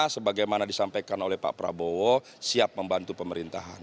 sebagaimana disampaikan oleh pak prabowo siap membantu pemerintahan